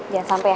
jangan sampe ya